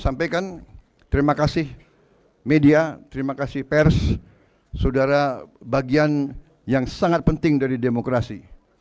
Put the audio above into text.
sampaikan terima kasih media terima kasih pers saudara bagian yang sangat penting dari demokrasi